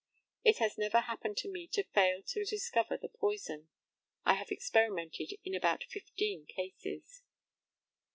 It has never happened to me to fail to discover the poison. I have experimented in about fifteen cases.